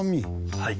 はい。